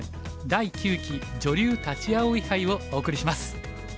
第９期女流立葵杯」をお送りします。